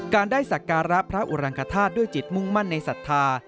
การได้สักการะพระอุรังคธาตุด้วยจิตมุ่งมั่นในศรัทธา